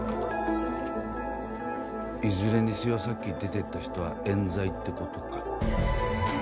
いずれにせよさっき出てった人はえん罪ってことか